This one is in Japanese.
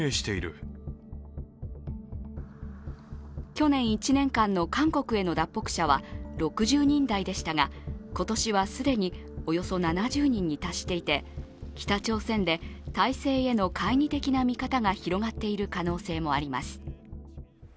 去年１年間の韓国への脱北者は６０人台でしたが、今年は既におよそ７０人に達していて北朝鮮で体制への懐疑的な見方が広がっている可能性もあります。